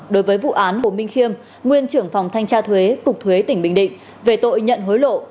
đối với vụ án hồ minh khiêm nguyên trưởng phòng thanh tra thuế cục thuế tỉnh bình định về tội nhận hối lộ